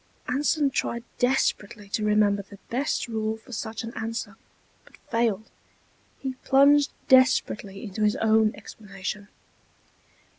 Anson tried desperately to remember the best rule for such an answer, but failed. He plunged desperately into his own explanation.